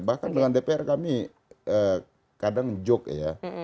bahkan dengan dpr kami kadang joke ya